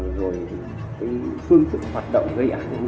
rồi cái phương tực hoạt động gây ảnh của vụ án